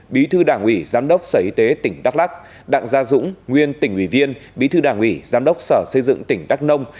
bí thư đảng ủy giám đốc sở y tế tỉnh đắk lắc đặng gia dũng nguyên tỉnh ủy viên bí thư đảng ủy giám đốc sở xây dựng tỉnh đắk nông